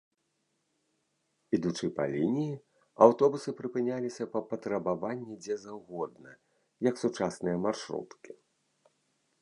Ідучы па лініі, аўтобусы прыпыняліся па патрабаванні дзе заўгодна, як сучасныя маршруткі.